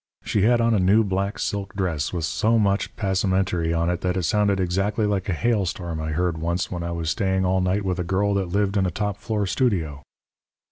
She had on a new black silk dress with so much passementerie on it that it sounded exactly like a hailstorm I heard once when I was staying all night with a girl that lived in a top floor studio.